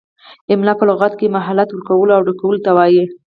املاء په لغت کې مهلت ورکولو او ډکولو ته وايي.